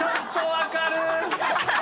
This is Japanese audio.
分かる！